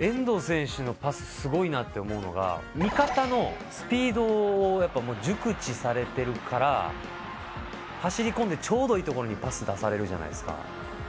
遠藤選手のパスすごいなって思うのが味方のスピードをやっぱ熟知されてるから走り込んでちょうどいい所にパス出されるじゃないですか。